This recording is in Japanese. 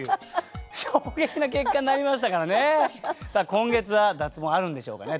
今月は脱ボンあるんでしょうかね。